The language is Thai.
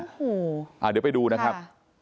โอ้โหอ่าเดี๋ยวไปดูนะครับ